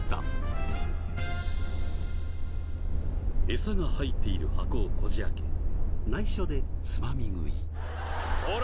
エサが入っている箱をこじ開け内緒でつまみ食い。